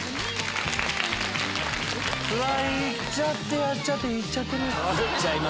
いっちゃってやっちゃっていっちゃってる。